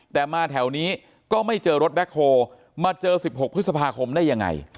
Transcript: แต่มาแถวนี้ก็ไม่เจอรถแบ็คโฮมาเจอ๑๖พฤษภาคมได้ยังไง